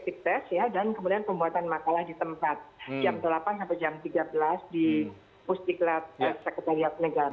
di pustiklat sekretariat negara